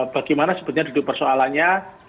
bagaimana sebetulnya duduk persoalannya